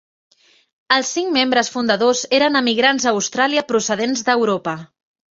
Els cinc membres fundadors eren emigrants a Austràlia procedents d'Europa.